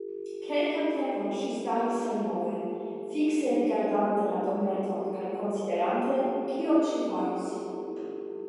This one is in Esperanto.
Kelkan tempon ŝi staris senmove, fikse rigardante la dometon kaj konsiderante, kion ŝi faros.